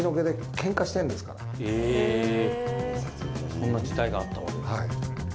そんな時代があったわけですね。